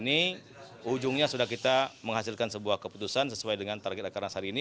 ini ujungnya sudah kita menghasilkan sebuah keputusan sesuai dengan target akarnas hari ini